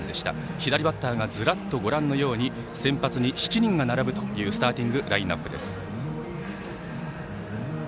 左バッターが、ずらっと先発に７人が並ぶというスターティングラインアップです。